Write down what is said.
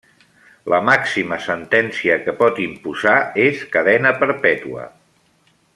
La màxima sentència que pot imposar és cadena perpètua.